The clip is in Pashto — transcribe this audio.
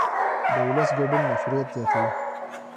د ولس ګډون مشروعیت زیاتوي